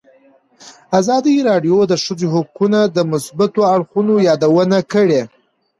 ازادي راډیو د د ښځو حقونه د مثبتو اړخونو یادونه کړې.